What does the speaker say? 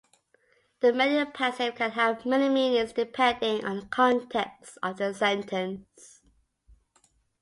The mediopassive can have many meanings depending on the context of the sentence.